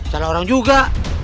salah orang juga